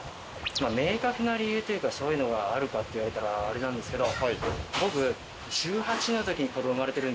まあ明確な理由というかそういうのはあるかって言われたらあれなんですけど。